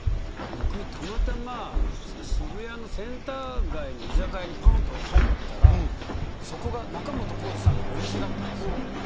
僕、たまたま渋谷のセンター街の居酒屋に入ったら、そこが仲本工事さんのお店だったんですよ。